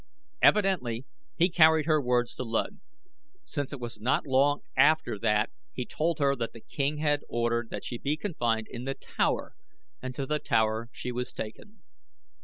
Evidently he carried her words to Luud, since it was not long after that he told her that the king had ordered that she be confined in the tower and to the tower she was taken.